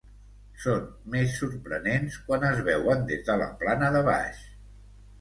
Són més sorprenents quan es veuen des de la plana de baix.